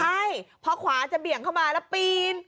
ใช่พอขวาจะเบี่ยงเข้ามาแล้วปีน